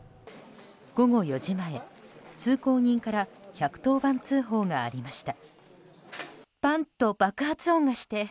午後４時前、通行人から１１０番通報がありました。